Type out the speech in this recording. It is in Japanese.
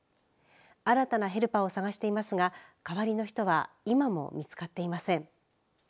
新たなヘルパーを探していますが代わりの人は今も見つかっていません。